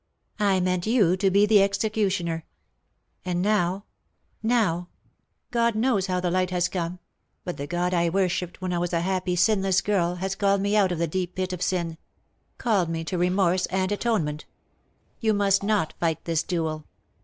I meant you to be the executioner. And now — now — God knows how the light has come — but the God I worshipped when I was a happy sinless girl, has called me out of the deep pit of sin — called me to remorse and 282 " SHE STOOD UP IN BITTER CASE, atonement. You mnst not fight this duel.